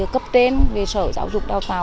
cấp trên về sở giáo dục đào tạo